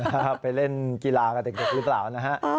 ครับไปเล่นกีฬากับเด็กหรือเปล่านะฮะ